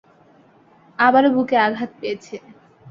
আবারও বুকে আঘাত পেয়েছে।